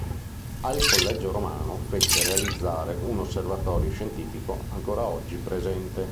Al Collegio Romano fece realizzare un osservatorio scientifico ancora oggi presente.